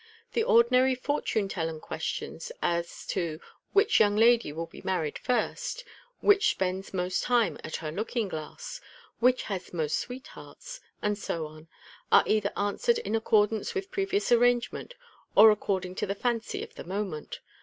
The ordinary fortune telling questions, as to " Which young lady will be married first ?"" Which spends most time at her looking glass ?"" Which has most sweethearts ?" and so on, are either answered in accordance with previous arrange ment, or according to the fancy of the moment.